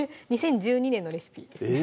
２０１２年のレシピですね